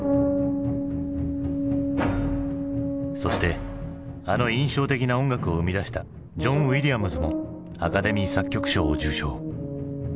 そしてあの印象的な音楽を生み出したジョン・ウィリアムズもアカデミー作曲賞を受賞。